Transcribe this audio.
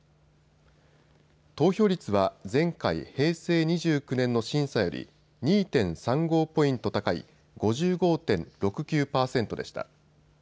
投票率は前回、平成２９年の審査より２．３５ポイント高い５５．６９％でした。